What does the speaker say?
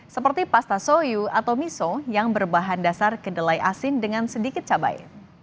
seperti pastasoyu atau miso yang berbahan dasar kedelai asin dengan sedikit cabai